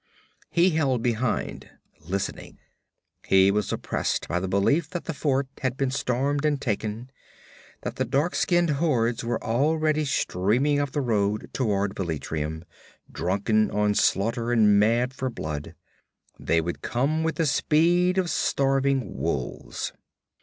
He held behind, listening. He was oppressed by the belief that the fort had been stormed and taken; that the dark skinned hordes were already streaming up the road toward Velitrium, drunken on slaughter and mad for blood. They would come with the speed of starving wolves.